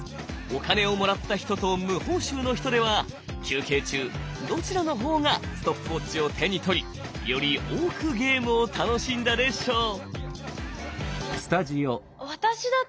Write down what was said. お金をもらった人と無報酬の人では休憩中どちらの方がストップウォッチを手に取りより多くゲームを楽しんだでしょう？